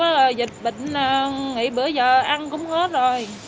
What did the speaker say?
rồi dịch bệnh nghỉ bữa giờ ăn cũng hết rồi